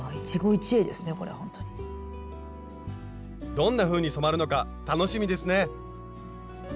どんなふうに染まるのか楽しみですね！